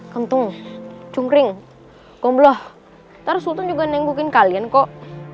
kentung cungkring gombloh terus untuk juga nengguin kalian kok